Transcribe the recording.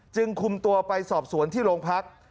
จึงคุมตัวไปสอบสวนที่โรงพัก